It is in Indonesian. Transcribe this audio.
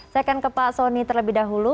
saya akan ke pak soni terlebih dahulu